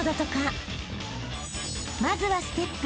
［まずはステップ］